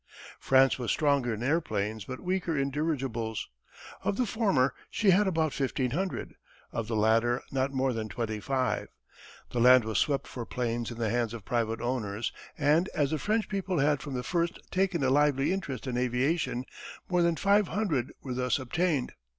[Illustration: Wright Airplane in Flight.] France was stronger in airplanes but weaker in dirigibles. Of the former she had about 1500; of the latter not more than twenty five. The land was swept for planes in the hands of private owners and, as the French people had from the first taken a lively interest in aviation, more than 500 were thus obtained.